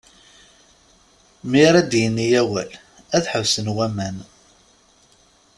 Mi ara d-yini awal, ad ḥebsen waman.